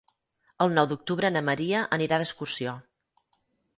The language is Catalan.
El nou d'octubre na Maria anirà d'excursió.